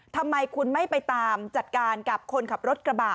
ทำไมคุณไม่ไปตามจัดการกับคนขับรถกระบะ